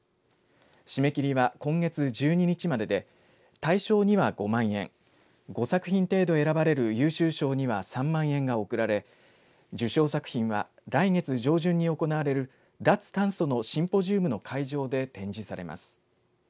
締め切りは今月１２日までで大賞には、５万円５作品程度選ばれる優秀賞には３万円が贈られ受賞作品は来月上旬に行われる脱炭素のシンポジウムの会場で展示されます。